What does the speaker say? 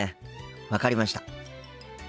分かりました。